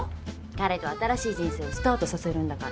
彼と新しい人生をスタートさせるんだから。